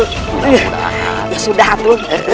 iroh mau siap siap dulu mau dandan biar rapi